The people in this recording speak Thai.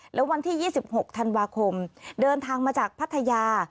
แล้ววันที่๒๖ธันวาคมเดินทางมาจากพัทยา